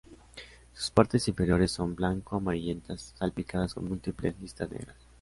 Sus partes inferiores son blanco amarillentas salpicadas con múltiples listas negras.